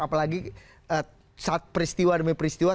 apalagi saat peristiwa demi peristiwa